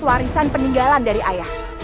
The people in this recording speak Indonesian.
warisan peninggalan dari ayah